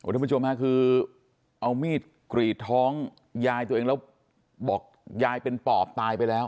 ทุกผู้ชมค่ะคือเอามีดกรีดท้องยายตัวเองแล้วบอกยายเป็นปอบตายไปแล้ว